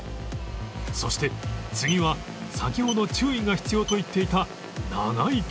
そして次は先ほど注意が必要と言っていた長い距離だが